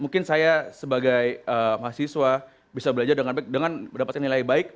mungkin saya sebagai mahasiswa bisa belajar dengan mendapatkan nilai baik